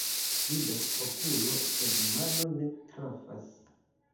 Vidas okulo, sed mano ne trafas.